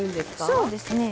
そうですね。